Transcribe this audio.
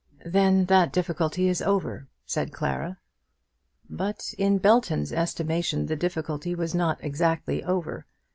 "Then that difficulty is over," said Clara. But in Belton's estimation the difficulty was not exactly over.